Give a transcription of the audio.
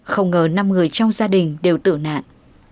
không ngờ năm người trong gia đình đều tử nạn